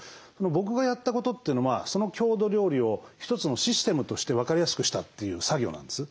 僕がやったことというのはその郷土料理を一つのシステムとして分かりやすくしたという作業なんです。